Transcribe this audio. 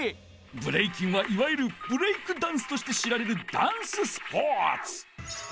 ブレイキンはいわゆるブレイクダンスとして知られるダンススポーツ！